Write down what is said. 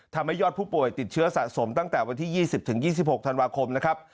ทำให้ยอดผู้ป่วยติดเชื้อสะสมตั้งแต่วันที่๒๐๒๖ธันวาคมนะครับ